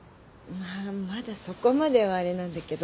まだそこまではあれなんだけど。